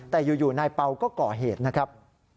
แต่อยู่นายเปล่าก็ก่อเหตุนะครับ